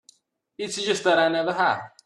It's just that I never have.